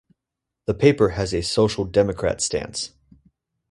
The paper has a social democrat stance.